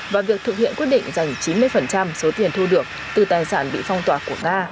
và việc thực hiện quyết định dành chín mươi số tiền thu được từ tài sản bị phong tỏa của nga